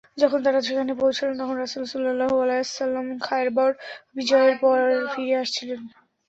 যখন তারা সেখানে পৌঁছলেন তখন রাসূলুল্লাহ সাল্লাল্লাহু আলাইহি ওয়াসাল্লাম খায়বর বিজয়ের পর ফিরে আসছিলেন।